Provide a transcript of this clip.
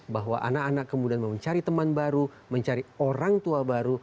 bahwa anak anak kemudian mencari teman baru mencari orang tua baru